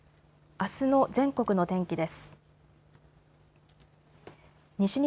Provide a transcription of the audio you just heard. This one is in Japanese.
あすの全国の天気です。